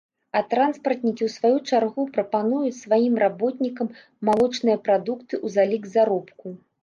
А транспартнікі ў сваю чаргу прапануюць сваім работнікам малочныя прадукты ў залік заробку.